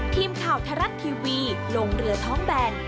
ทีมข่าวไทยรัฐทีวีลงเรือท้องแบน